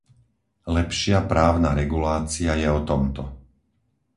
Lepšia právna regulácia je o tomto.